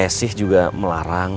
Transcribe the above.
essie juga melarang